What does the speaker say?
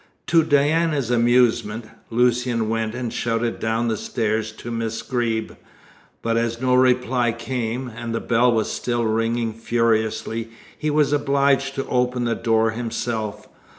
To Diana's amusement, Lucian went and shouted down the stairs to Miss Greeb, but as no reply came, and the bell was still ringing furiously, he was obliged to open the door himself.